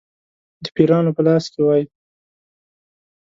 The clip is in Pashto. د پیرانو په لاس کې وای.